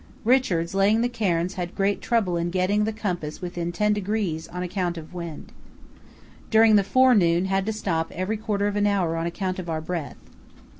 Richards, laying the cairns had great trouble in getting the compass within 10° on account of wind. During the forenoon had to stop every quarter of an hour on account of our breath.